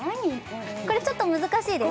これちょっと難しいです